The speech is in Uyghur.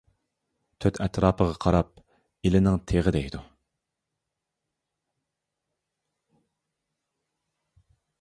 تۆت ئەتراپىغا قاراپ، ئىلىنىڭ تېغى دەيدۇ.